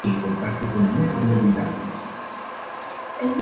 La primera que se realizó fue la somatostatina.